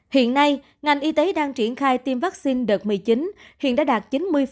hiện nay ngành y tế đang triển khai tiêm vaccine đợt một mươi chín hiện đã đạt chín mươi